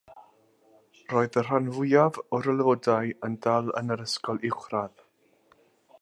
Roedd y rhan fwyaf o'r aelodau yn dal yn yr ysgol uwchradd.